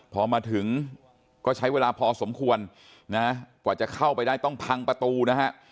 พอมาถึงก็ใช้เวลาพอสมควรนะกว่าจะเข้าไปได้ต้องพังประตูนะฮะ